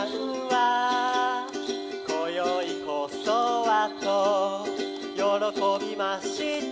「今宵こそはとよろこびました」